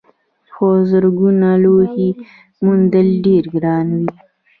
خو زرګونه لوحې موندل ډېر ګران وي.